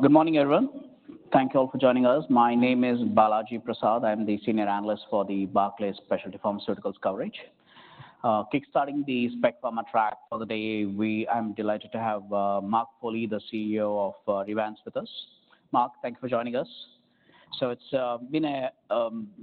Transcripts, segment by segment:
Good morning, everyone. Thank you all for joining us. My name is Balaji Prasad. I'm the Senior Analyst for the Barclays Specialty Pharmaceuticals Coverage. Kickstarting the Spec Pharma track for the day, I'm delighted to have Mark Foley, the CEO of Revance, with us. Mark, thank you for joining us. So it's been a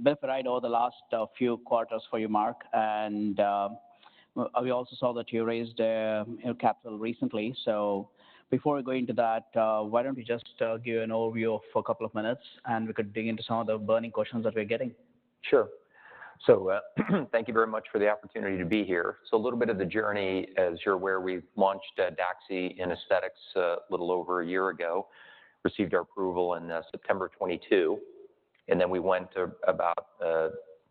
bit of a ride over the last few quarters for you, Mark, and we also saw that you raised capital recently. So before we go into that, why don't we just give you an overview for a couple of minutes, and we could dig into some of the burning questions that we're getting? Sure. So thank you very much for the opportunity to be here. So a little bit of the journey, as you're aware, we launched DAXI in aesthetics a little over a year ago, received our approval in September 2022, and then we went to about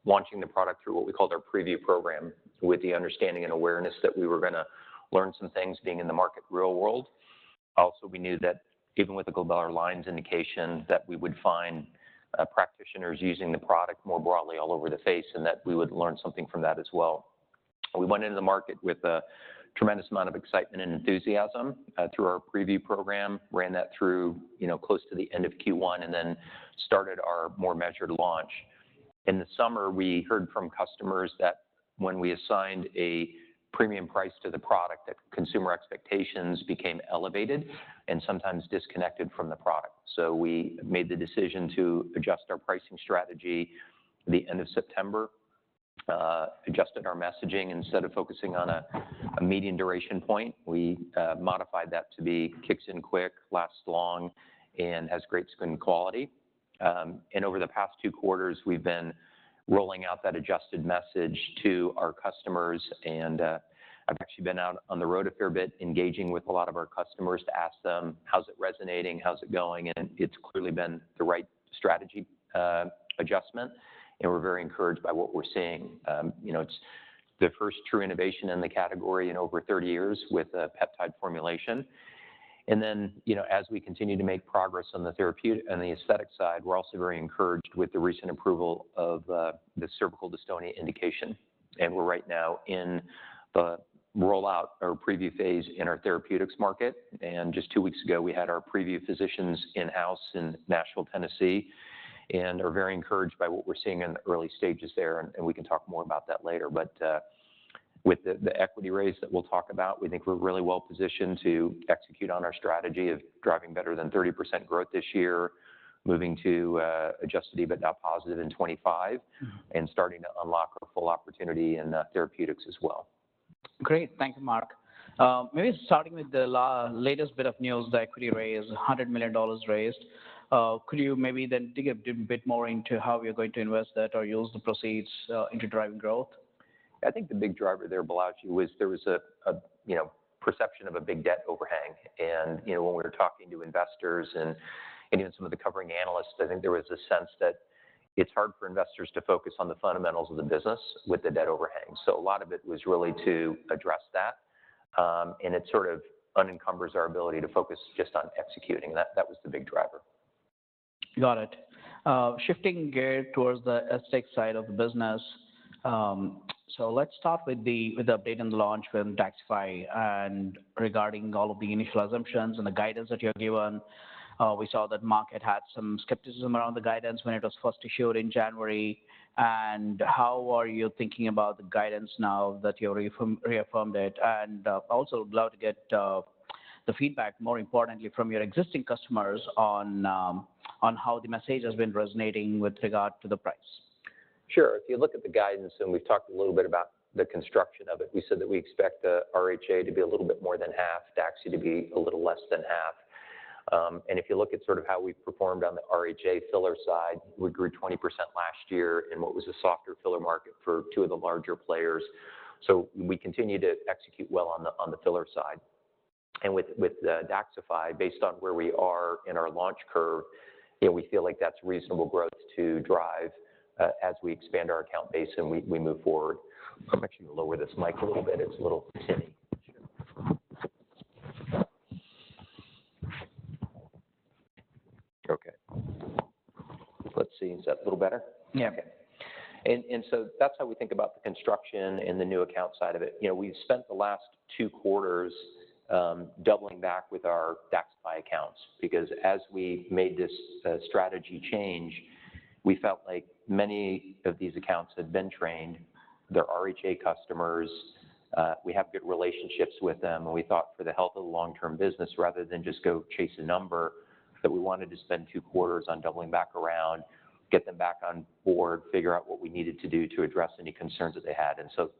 launching the product through what we called our preview program with the understanding and awareness that we were going to learn some things being in the market real world. Also, we knew that even with the glabellar lines indication that we would find practitioners using the product more broadly all over the face and that we would learn something from that as well. We went into the market with a tremendous amount of excitement and enthusiasm through our preview program, ran that through close to the end of Q1, and then started our more measured launch. In the summer, we heard from customers that when we assigned a premium price to the product, that consumer expectations became elevated and sometimes disconnected from the product. So we made the decision to adjust our pricing strategy at the end of September, adjusted our messaging. Instead of focusing on a median duration point, we modified that to be kicks in quick, lasts long, and has great skin quality. And over the past two quarters, we've been rolling out that adjusted message to our customers. And I've actually been out on the road a fair bit, engaging with a lot of our customers to ask them, "How's it resonating? How's it going?" And it's clearly been the right strategy adjustment, and we're very encouraged by what we're seeing. It's the first true innovation in the category in over 30 years with a peptide formulation. Then as we continue to make progress on the aesthetic side, we're also very encouraged with the recent approval of the cervical dystonia indication. We're right now in the roll-out or preview phase in our therapeutics market. Just two weeks ago, we had our preview physicians in-house in Nashville, Tennessee, and are very encouraged by what we're seeing in the early stages there. We can talk more about that later. But with the equity raise that we'll talk about, we think we're really well positioned to execute on our strategy of driving better than 30% growth this year, moving to Adjusted EBITDA positive in 2025, and starting to unlock our full opportunity in therapeutics as well. Great. Thank you, Mark. Maybe starting with the latest bit of news, the equity raise, $100 million raised. Could you maybe then dig a bit more into how we are going to invest that or use the proceeds into driving growth? I think the big driver there, Balaji, was there was a perception of a big debt overhang. And when we were talking to investors and even some of the covering analysts, I think there was a sense that it's hard for investors to focus on the fundamentals of the business with the debt overhang. So a lot of it was really to address that, and it sort of unencumbers our ability to focus just on executing. That was the big driver. Got it. Shifting gear towards the aesthetic side of the business. Let's start with the update and the launch with DAXXIFY. Regarding all of the initial assumptions and the guidance that you're given, we saw that Mark had had some skepticism around the guidance when it was first issued in January. How are you thinking about the guidance now that you've reaffirmed it? I'm also glad to get the feedback, more importantly, from your existing customers on how the message has been resonating with regard to the price. Sure. If you look at the guidance, and we've talked a little bit about the construction of it, we said that we expect RHA to be a little bit more than half, DAXXIFY to be a little less than half. And if you look at sort of how we performed on the RHA filler side, we grew 20% last year in what was a softer filler market for two of the larger players. So we continue to execute well on the filler side. And with DAXXIFY, based on where we are in our launch curve, we feel like that's reasonable growth to drive as we expand our account base and we move forward. I'm actually going to lower this mic a little bit. It's a little tinny. Okay. Let's see. Is that a little better? Yeah. Okay. And so that's how we think about the construction and the new account side of it. We've spent the last two quarters doubling back with our DAXXIFY accounts because as we made this strategy change, we felt like many of these accounts had been trained, they're RHA customers, we have good relationships with them, and we thought for the health of the long-term business, rather than just go chase a number, that we wanted to spend two quarters on doubling back around, get them back on board, figure out what we needed to do to address any concerns that they had. And so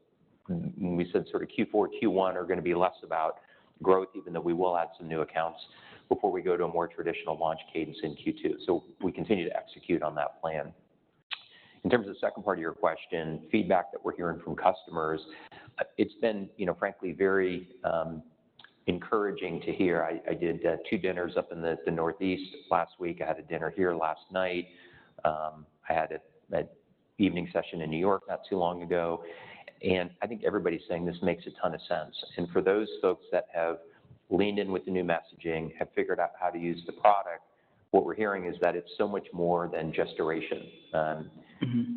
we said sort of Q4, Q1 are going to be less about growth, even though we will add some new accounts before we go to a more traditional launch cadence in Q2. So we continue to execute on that plan. In terms of the second part of your question, feedback that we're hearing from customers, it's been, frankly, very encouraging to hear. I did two dinners up in the Northeast last week. I had a dinner here last night. I had an evening session in New York not too long ago. And I think everybody's saying this makes a ton of sense. And for those folks that have leaned in with the new messaging, have figured out how to use the product, what we're hearing is that it's so much more than just duration.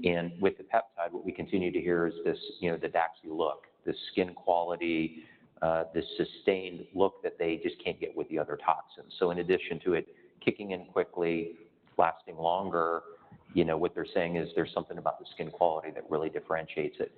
And with the peptide, what we continue to hear is the DAXI look, the skin quality, the sustained look that they just can't get with the other toxins. So in addition to it kicking in quickly, lasting longer, what they're saying is there's something about the skin quality that really differentiates it.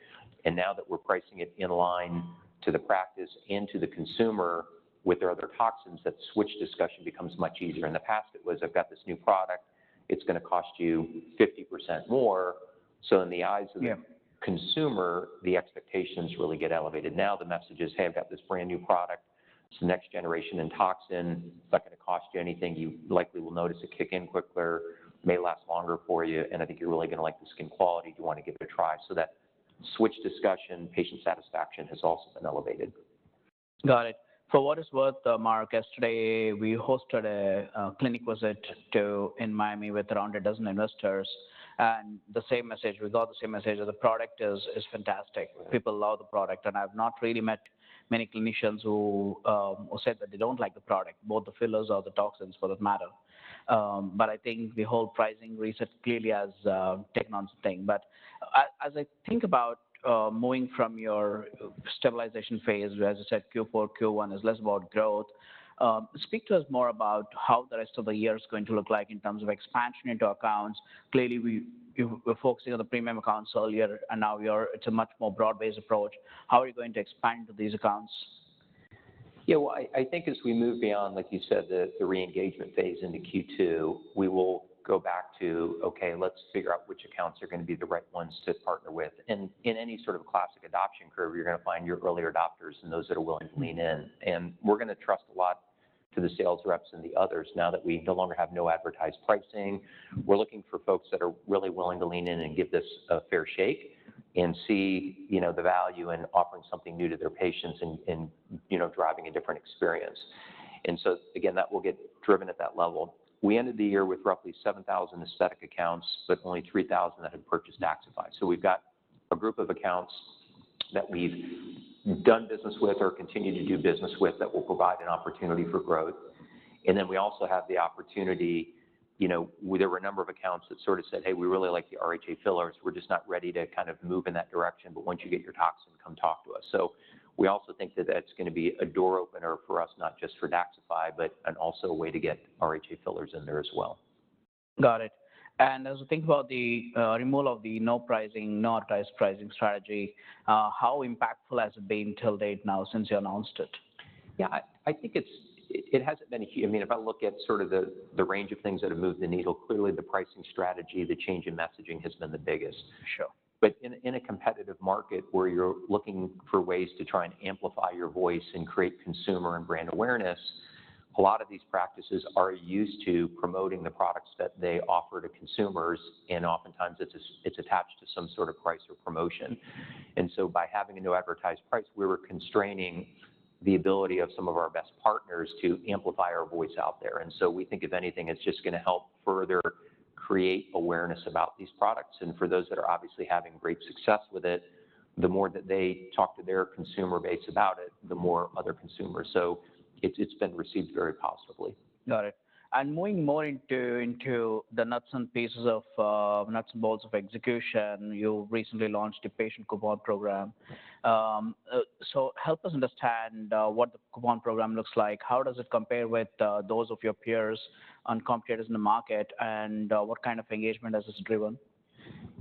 Now that we're pricing it in line to the practice and to the consumer with their other toxins, that switch discussion becomes much easier. In the past, it was, "I've got this new product. It's going to cost you 50% more." So in the eyes of the consumer, the expectations really get elevated. Now the message is, "Hey, I've got this brand new product. It's the next generation in toxin. It's not going to cost you anything. You likely will notice it kick in quicker, may last longer for you, and I think you're really going to like the skin quality. Do you want to give it a try?" So that switch discussion, patient satisfaction has also been elevated. Got it. For what it's worth, Mark, yesterday we hosted a clinic visit in Miami with around a dozen investors, and we got the same message that the product is fantastic. People love the product, and I've not really met many clinicians who said that they don't like the product, both the fillers or the toxins for that matter. But I think the whole pricing reset clearly has taken on something. But as I think about moving from your stabilization phase, as you said, Q4, Q1 is less about growth. Speak to us more about how the rest of the year is going to look like in terms of expansion into accounts? Clearly, we're focusing on the premium accounts earlier, and now it's a much more broad-based approach. How are you going to expand into these accounts? Yeah. Well, I think as we move beyond, like you said, the re-engagement phase into Q2, we will go back to, "Okay, let's figure out which accounts are going to be the right ones to partner with." And in any sort of classic adoption curve, you're going to find your early adopters and those that are willing to lean in. And we're going to trust a lot to the sales reps and the others now that we no longer have no advertised pricing. We're looking for folks that are really willing to lean in and give this a fair shake and see the value in offering something new to their patients and driving a different experience. And so again, that will get driven at that level. We ended the year with roughly 7,000 aesthetic accounts, but only 3,000 that had purchased DAXXIFY. So we've got a group of accounts that we've done business with or continue to do business with that will provide an opportunity for growth. And then we also have the opportunity. There were a number of accounts that sort of said, "Hey, we really like the RHA fillers. We're just not ready to kind of move in that direction, but once you get your toxin, come talk to us." So we also think that that's going to be a door opener for us, not just for DAXXIFY, but also a way to get RHA fillers in there as well. Got it. As we think about the removal of the no-pricing, no-advertised pricing strategy, how impactful has it been till date now since you announced it? Yeah. I think it hasn't been a huge. I mean, if I look at sort of the range of things that have moved the needle, clearly the pricing strategy, the change in messaging has been the biggest. But in a competitive market where you're looking for ways to try and amplify your voice and create consumer and brand awareness, a lot of these practices are used to promoting the products that they offer to consumers, and oftentimes it's attached to some sort of price or promotion. And so by having a no-advertised price, we were constraining the ability of some of our best partners to amplify our voice out there. And so we think if anything, it's just going to help further create awareness about these products. For those that are obviously having great success with it, the more that they talk to their consumer base about it, the more other consumers. So it's been received very positively. Got it. And moving more into the nuts and pieces of nuts and bolts of execution, you recently launched a patient coupon program. So help us understand what the coupon program looks like. How does it compare with those of your peers and competitors in the market, and what kind of engagement has this driven?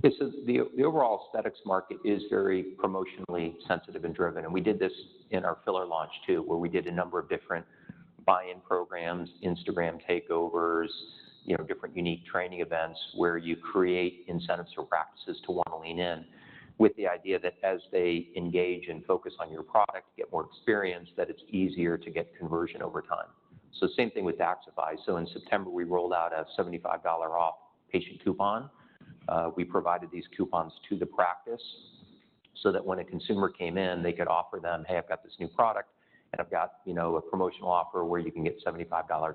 Yeah. So the overall aesthetics market is very promotionally sensitive and driven. And we did this in our filler launch too, where we did a number of different buy-in programs, Instagram takeovers, different unique training events where you create incentives or practices to want to lean in with the idea that as they engage and focus on your product, get more experience, that it's easier to get conversion over time. So same thing with DAXXIFY. So in September, we rolled out a $75 off patient coupon. We provided these coupons to the practice so that when a consumer came in, they could offer them, "Hey, I've got this new product, and I've got a promotional offer where you can get $75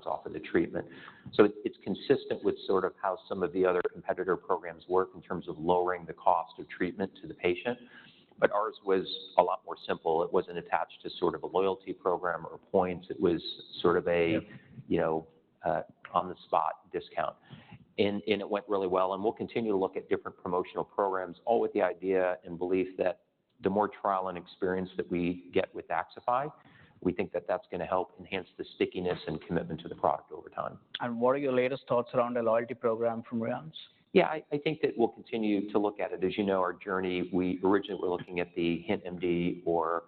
off of the treatment." So it's consistent with sort of how some of the other competitor programs work in terms of lowering the cost of treatment to the patient. But ours was a lot more simple. It wasn't attached to sort of a loyalty program or points. It was sort of an on-the-spot discount. And it went really well. And we'll continue to look at different promotional programs, all with the idea and belief that the more trial and experience that we get with DAXXIFY, we think that that's going to help enhance the stickiness and commitment to the product over time. What are your latest thoughts around the loyalty program from Revance? Yeah. I think that we'll continue to look at it. As you know, our journey, we originally were looking at the HintMD or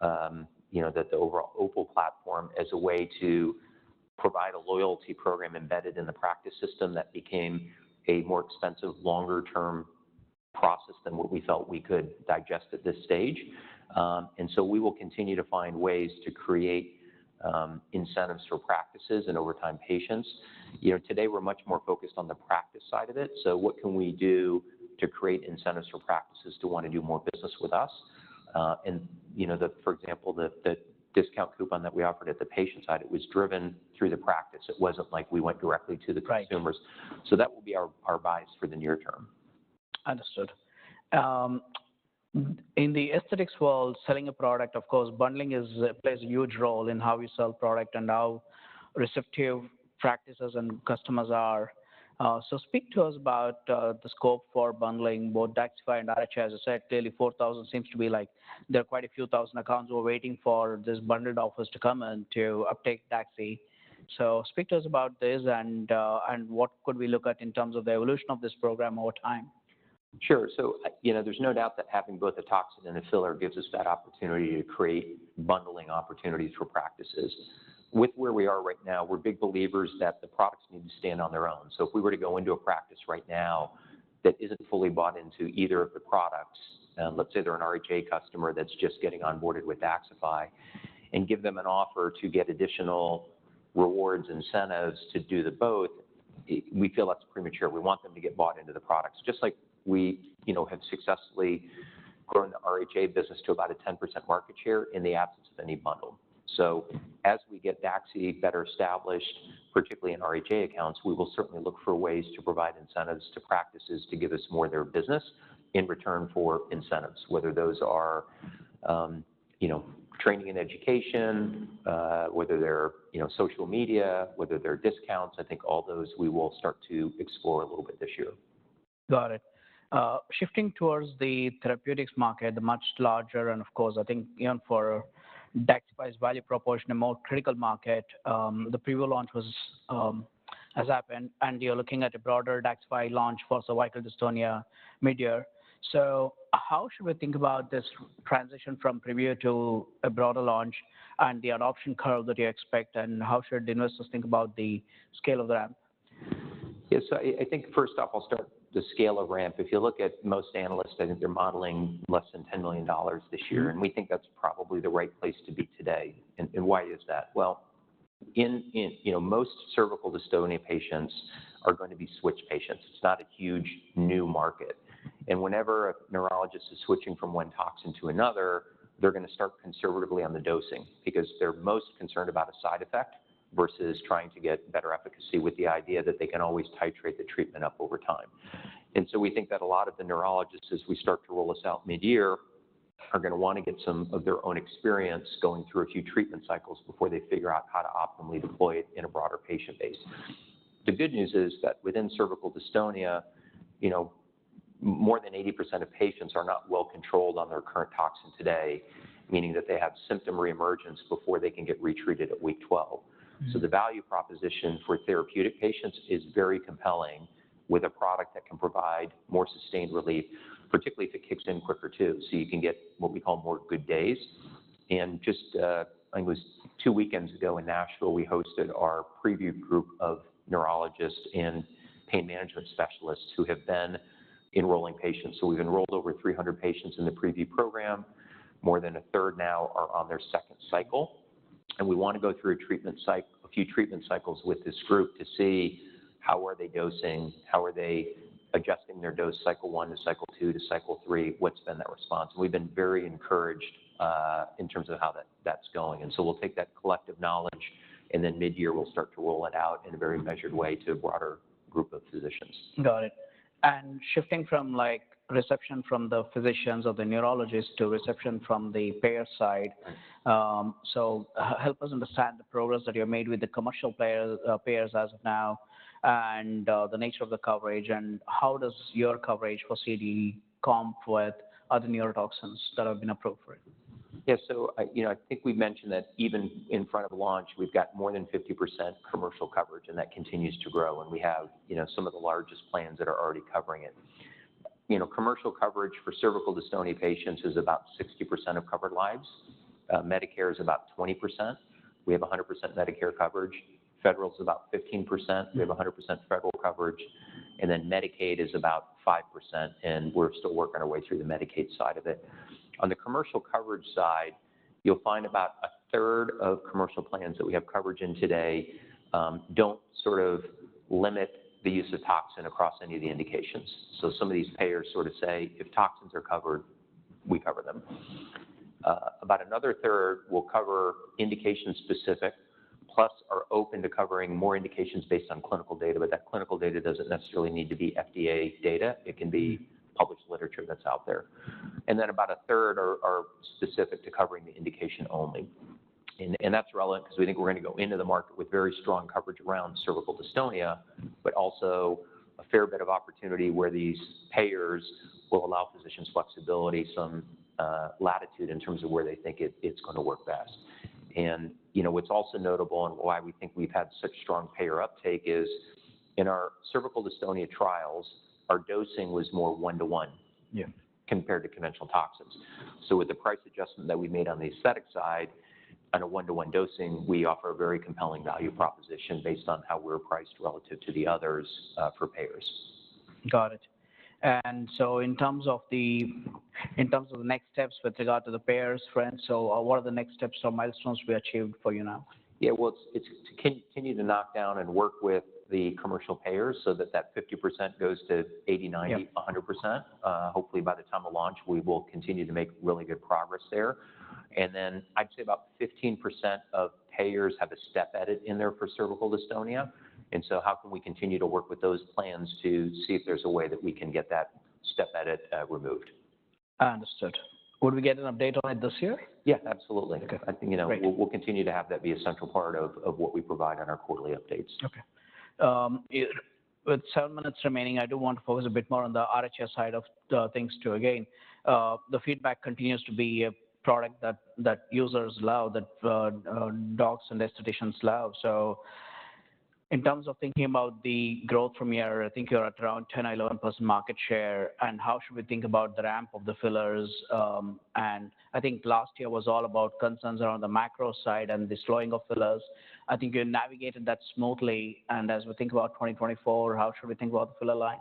the overall OPUL platform as a way to provide a loyalty program embedded in the practice system that became a more expensive, longer-term process than what we felt we could digest at this stage. And so we will continue to find ways to create incentives for practices and over time patients. Today, we're much more focused on the practice side of it. So what can we do to create incentives for practices to want to do more business with us? And for example, the discount coupon that we offered at the patient side, it was driven through the practice. It wasn't like we went directly to the consumers. So that will be our bias for the near term. Understood. In the aesthetics world, selling a product, of course, bundling plays a huge role in how we sell product and how receptive practices and customers are. So speak to us about the scope for bundling, both DAXXIFY and RHA. As you said, clearly, 4,000 seems to be like there are quite a few thousand accounts who are waiting for this bundled offer to come in to uptake DAXXIFY. So speak to us about this and what could we look at in terms of the evolution of this program over time? Sure. So there's no doubt that having both a toxin and a filler gives us that opportunity to create bundling opportunities for practices. With where we are right now, we're big believers that the products need to stand on their own. So if we were to go into a practice right now that isn't fully bought into either of the products, let's say they're an RHA customer that's just getting onboarded with DAXXIFY, and give them an offer to get additional rewards, incentives to do both, we feel that's premature. We want them to get bought into the products, just like we have successfully grown the RHA business to about a 10% market share in the absence of any bundle. So as we get DAXI better established, particularly in RHA accounts, we will certainly look for ways to provide incentives to practices to give us more of their business in return for incentives, whether those are training and education, whether they're social media, whether they're discounts. I think all those we will start to explore a little bit this year. Got it. Shifting towards the therapeutics market, the much larger, and of course, I think even for DAXXIFY's value proposition, a more critical market, the preview launch has happened, and you're looking at a broader DAXXIFY launch for cervical dystonia in 2024. So how should we think about this transition from preview to a broader launch and the adoption curve that you expect? And how should investors think about the scale of the ramp? Yeah. So I think first off, I'll start the scale of ramp. If you look at most analysts, I think they're modeling less than $10 million this year, and we think that's probably the right place to be today. And why is that? Well, most cervical dystonia patients are going to be switch patients. It's not a huge new market. And whenever a neurologist is switching from one toxin to another, they're going to start conservatively on the dosing because they're most concerned about a side effect versus trying to get better efficacy with the idea that they can always titrate the treatment up over time. We think that a lot of the neurologists, as we start to roll this out mid-year, are going to want to get some of their own experience going through a few treatment cycles before they figure out how to optimally deploy it in a broader patient base. The good news is that within cervical dystonia, more than 80% of patients are not well controlled on their current toxin today, meaning that they have symptom reemergence before they can get retreated at week 12. The value proposition for therapeutic patients is very compelling with a product that can provide more sustained relief, particularly if it kicks in quicker too. You can get what we call more good days. Just two weekends ago in Nashville, we hosted our preview group of neurologists and pain management specialists who have been enrolling patients. So we've enrolled over 300 patients in the preview program. More than a third now are on their second cycle. We want to go through a few treatment cycles with this group to see how are they dosing, how are they adjusting their dose cycle one to Cycle 2 to Cycle 3, what's been that response. We've been very encouraged in terms of how that's going. So we'll take that collective knowledge, and then mid-year, we'll start to roll it out in a very measured way to a broader group of physicians. Got it. Shifting from reception from the physicians or the neurologists to reception from the payer side, so help us understand the progress that you've made with the commercial payers as of now and the nature of the coverage, and how does your coverage for CD compare with other neurotoxins that have been approved for it? Yeah. So I think we mentioned that even in front of launch, we've got more than 50% commercial coverage, and that continues to grow. And we have some of the largest plans that are already covering it. Commercial coverage for cervical dystonia patients is about 60% of covered lives. Medicare is about 20%. We have 100% Medicare coverage. Federal is about 15%. We have 100% federal coverage. And then Medicaid is about 5%, and we're still working our way through the Medicaid side of it. On the commercial coverage side, you'll find about a third of commercial plans that we have coverage in today don't sort of limit the use of toxin across any of the indications. So some of these payers sort of say, "If toxins are covered, we cover them." About another third will cover indication-specific, plus are open to covering more indications based on clinical data, but that clinical data doesn't necessarily need to be FDA data. It can be published literature that's out there. And then about a third are specific to covering the indication only. And that's relevant because we think we're going to go into the market with very strong coverage around cervical dystonia, but also a fair bit of opportunity where these payers will allow physicians flexibility, some latitude in terms of where they think it's going to work best. And what's also notable and why we think we've had such strong payer uptake is in our cervical dystonia trials, our dosing was more 1:1 compared to conventional toxins. With the price adjustment that we made on the aesthetic side, on a 1:1 dosing, we offer a very compelling value proposition based on how we're priced relative to the others for payers. Got it. And so in terms of the next steps with regard to the payers, friends, so what are the next steps or milestones we achieved for you now? Yeah. Well, it's to continue to knock down and work with the commercial payers so that that 50% goes to 80%, 90%, 100%. Hopefully, by the time of launch, we will continue to make really good progress there. And then I'd say about 15% of payers have a step edit in there for cervical dystonia. And so how can we continue to work with those plans to see if there's a way that we can get that step edit removed? Understood. Would we get an update on it this year? Yeah, absolutely. We'll continue to have that be a central part of what we provide on our quarterly updates. Okay. With 7 minutes remaining, I do want to focus a bit more on the RHA side of things too. Again, the feedback continues to be a product that users love, that docs and estheticians love. So in terms of thinking about the growth from here, I think you're at around 10%-11% market share. And how should we think about the ramp of the fillers? And I think last year was all about concerns around the macro side and the slowing of fillers. I think you navigated that smoothly. And as we think about 2024, how should we think about the filler line?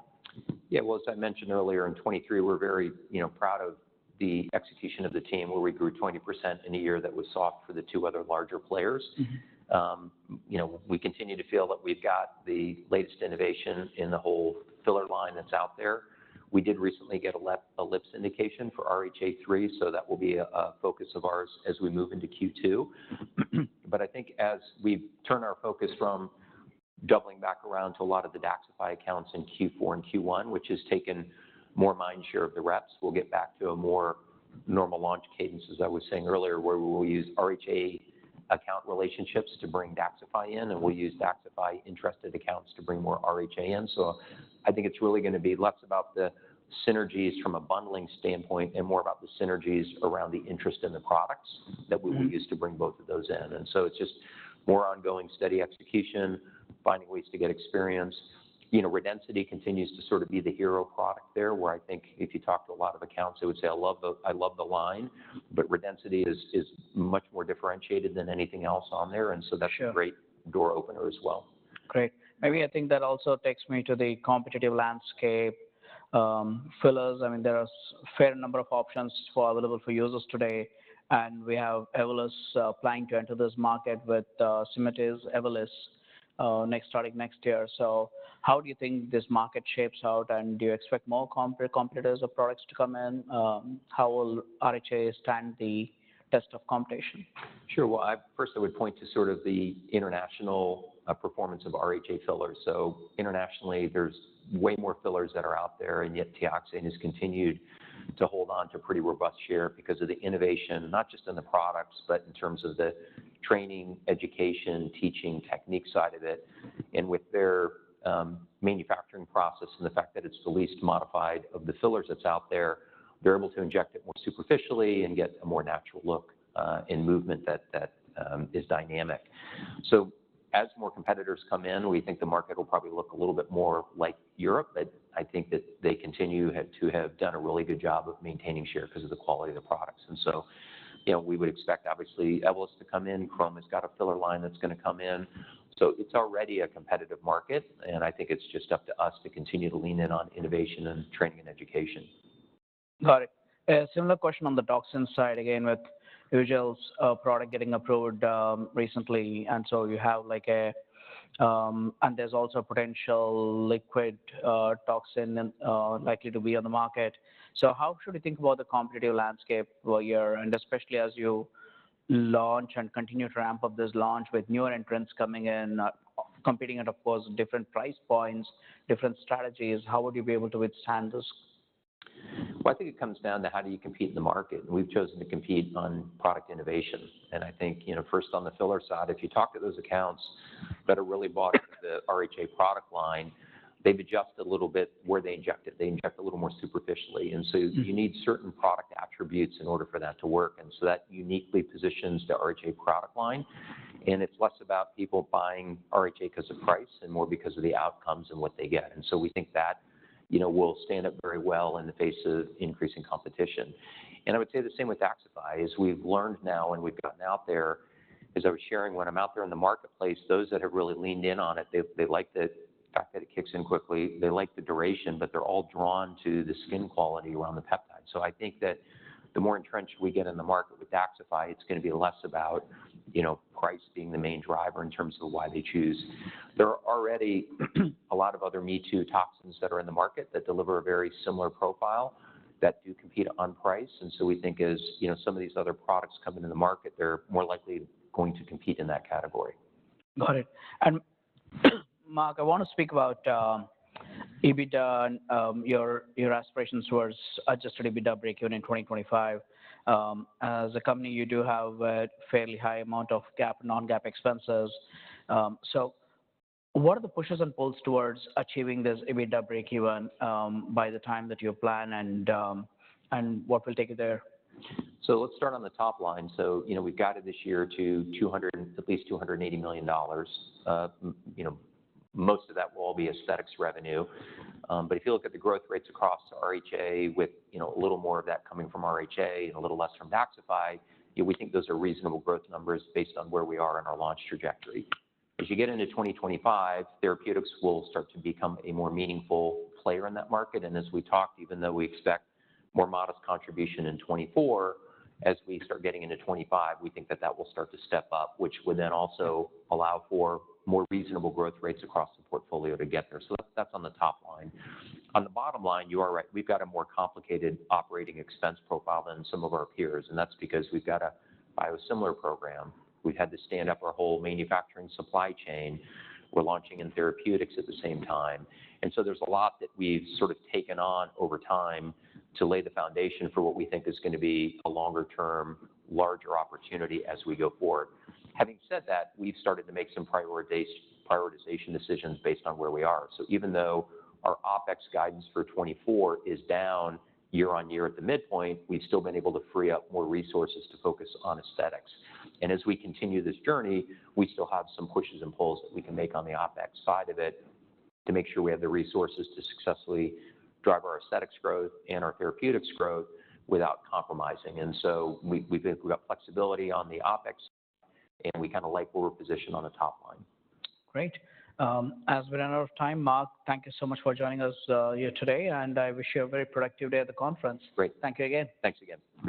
Yeah. Well, as I mentioned earlier, in 2023, we're very proud of the execution of the team where we grew 20% in a year that was soft for the two other larger players. We continue to feel that we've got the latest innovation in the whole filler line that's out there. We did recently get a lips indication for RHA 3, so that will be a focus of ours as we move into Q2. But I think as we turn our focus from doubling back around to a lot of the DAXXIFY accounts in Q4 and Q1, which has taken more mindshare of the reps, we'll get back to a more normal launch cadence, as I was saying earlier, where we will use RHA account relationships to bring DAXXIFY in, and we'll use DAXXIFY interested accounts to bring more RHA in. So I think it's really going to be less about the synergies from a bundling standpoint and more about the synergies around the interest in the products that we will use to bring both of those in. And so it's just more ongoing steady execution, finding ways to get experience. Redensity continues to sort of be the hero product there, where I think if you talk to a lot of accounts, they would say, "I love the line," but Redensity is much more differentiated than anything else on there. And so that's a great door opener as well. Great. Maybe I think that also takes me to the competitive landscape. Fillers, I mean, there are a fair number of options available for users today, and we have Evolus planning to enter this market with Symatese Evolus starting next year. So how do you think this market shapes out, and do you expect more competitors or products to come in? How will RHA stand the test of competition? Sure. Well, first, I would point to sort of the international performance of RHA fillers. So internationally, there's way more fillers that are out there, and yet Teoxane has continued to hold on to pretty robust share because of the innovation, not just in the products, but in terms of the training, education, teaching technique side of it. And with their manufacturing process and the fact that it's the least modified of the fillers that's out there, they're able to inject it more superficially and get a more natural look and movement that is dynamic. So as more competitors come in, we think the market will probably look a little bit more like Europe, but I think that they continue to have done a really good job of maintaining share because of the quality of the products. And so we would expect, obviously, Evolus to come in. Galderma has got a filler line that's going to come in. So it's already a competitive market, and I think it's just up to us to continue to lean in on innovation and training and education. Got it. A similar question on the toxin side, again, with Evolus's product getting approved recently. And so you have and there's also a potential liquid toxin likely to be on the market. So how should we think about the competitive landscape where you're and especially as you launch and continue to ramp up this launch with newer entrants coming in, competing at, of course, different price points, different strategies, how would you be able to withstand this? Well, I think it comes down to how do you compete in the market. And we've chosen to compete on product innovation. And I think first, on the filler side, if you talk to those accounts that are really bought into the RHA product line, they've adjusted a little bit where they inject it. They inject a little more superficially. And so you need certain product attributes in order for that to work. And so that uniquely positions the RHA product line. And it's less about people buying RHA because of price and more because of the outcomes and what they get. And so we think that will stand up very well in the face of increasing competition. And I would say the same with DAXXIFY is we've learned now and we've gotten out there. As I was sharing, when I'm out there in the marketplace, those that have really leaned in on it, they like the fact that it kicks in quickly. They like the duration, but they're all drawn to the skin quality around the peptide. So I think that the more entrenched we get in the market with DAXXIFY, it's going to be less about price being the main driver in terms of why they choose. There are already a lot of other me-too toxins that are in the market that deliver a very similar profile that do compete on price. And so we think as some of these other products come into the market, they're more likely going to compete in that category. Got it. Mark, I want to speak about EBITDA and your aspirations towards Adjusted EBITDA breakeven in 2025. As a company, you do have a fairly high amount of GAAP and non-GAAP expenses. What are the pushes and pulls towards achieving this EBITDA breakeven by the time that you plan, and what will take you there? So let's start on the top line. So we've got it this year to at least $280 million. Most of that will all be aesthetics revenue. But if you look at the growth rates across RHA with a little more of that coming from RHA and a little less from DAXXIFY, we think those are reasonable growth numbers based on where we are in our launch trajectory. As you get into 2025, therapeutics will start to become a more meaningful player in that market. And as we talked, even though we expect more modest contribution in 2024, as we start getting into 2025, we think that that will start to step up, which would then also allow for more reasonable growth rates across the portfolio to get there. That's on the top line. On the bottom line, you are right. We've got a more complicated operating expense profile than some of our peers. That's because we've got a biosimilar program. We've had to stand up our whole manufacturing supply chain. We're launching in therapeutics at the same time. So there's a lot that we've sort of taken on over time to lay the foundation for what we think is going to be a longer-term, larger opportunity as we go forward. Having said that, we've started to make some prioritization decisions based on where we are. Even though our OpEx guidance for 2024 is down year-over-year at the midpoint, we've still been able to free up more resources to focus on aesthetics. As we continue this journey, we still have some pushes and pulls that we can make on the OpEx side of it to make sure we have the resources to successfully drive our aesthetics growth and our therapeutics growth without compromising. So we think we've got flexibility on the OpEx, and we kind of like where we're positioned on the top line. Great. As we run out of time, Mark, thank you so much for joining us here today, and I wish you a very productive day at the conference. Great. Thank you again. Thanks again. Great.